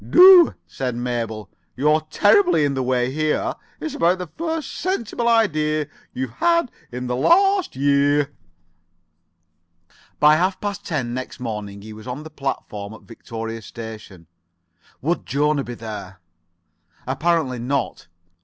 "Do," said Mabel. "You're terribly in the way here. It's about the first sensible idea you've had for this last year." By half past ten next morning he was on the platform at Victoria station. Would Jona be there? Apparently not.